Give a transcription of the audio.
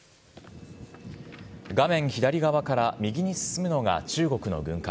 画面左側から右に進むのが中国の軍艦。